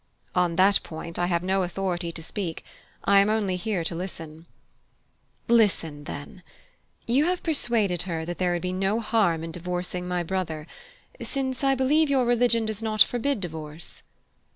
"On that point I have no authority to speak. I am here only to listen." "Listen, then: you have persuaded her that there would be no harm in divorcing my brother since I believe your religion does not forbid divorce?"